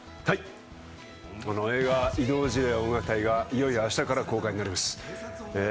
映画「異動辞令は音楽隊！」はいよいよ明日から公開になります。